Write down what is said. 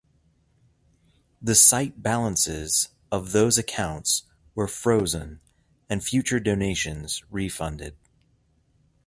The site balances of those accounts were frozen and future donations refunded.